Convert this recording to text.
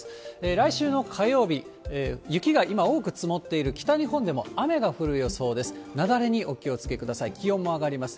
来週の火曜日、雪が今多く積もっている北日本でも雨が降る予想です。